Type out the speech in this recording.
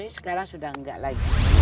sekarang sudah tidak lagi